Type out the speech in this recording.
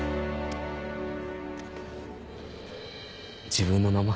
自分の名前？